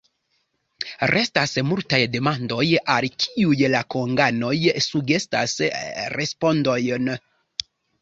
Restas multaj demandoj, al kiuj la konganoj sugestas respondojn.